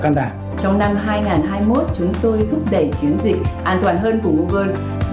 trong năm hai nghìn hai mươi một chúng tôi thúc đẩy chiến dịch an toàn hơn của nogoy